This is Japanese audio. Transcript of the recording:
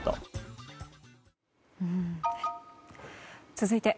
続いて。